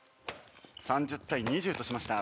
３０対２０としました。